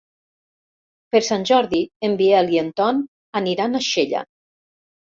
Per Sant Jordi en Biel i en Ton aniran a Xella.